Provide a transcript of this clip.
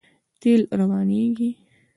تېل روانېږي.